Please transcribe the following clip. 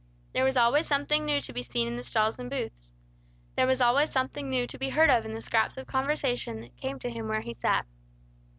There was always something new to be seen in the stalls and booths. There was always something new to be heard in the scraps of conversation that came to him where he sat.